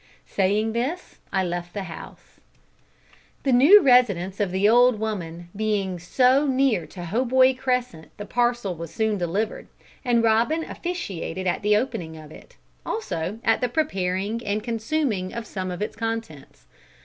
Saying this, I left the house. The new residence of the old woman being now so near to Hoboy Crescent the parcel was soon delivered, and Robin officiated at the opening of it, also at the preparing and consuming of some of its contents.